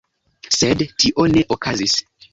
Sed tio ne okazis.